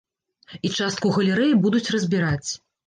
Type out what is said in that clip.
І частку галерэі будуць разбіраць.